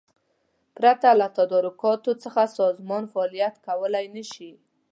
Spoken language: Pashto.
پرته له تدارکاتو څخه سازمان فعالیت کولای نشي.